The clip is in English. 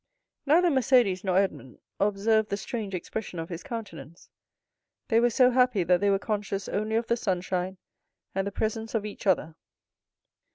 Neither Mercédès nor Edmond observed the strange expression of his countenance; they were so happy that they were conscious only of the sunshine and the presence of each other.